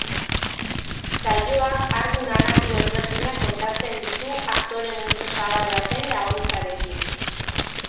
Saioak arku narratibo ezberdinak kontatzen ditu aktore-multzo zabal baten laguntzarekin.